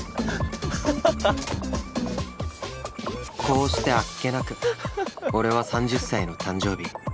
こうしてあっけなく俺は３０歳の誕生日